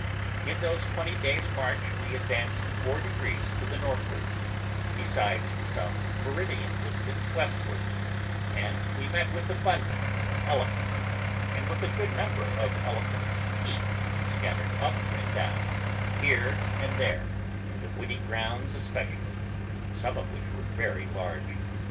In those twenty days' march we advanced four degrees to the northward, besides some meridian distance westward, and we met with abundance of elephants, and with a good number of elephants' teeth scattered up and down, here and there, in the woody grounds especially, some of which were very large.